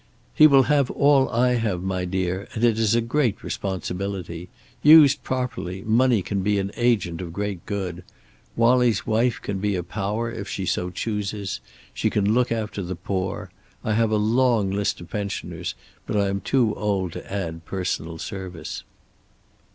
"He will have all I have, my dear, and it is a great responsibility. Used properly, money can be an agent of great good. Wallie's wife can be a power, if she so chooses. She can look after the poor. I have a long list of pensioners, but I am too old to add personal service."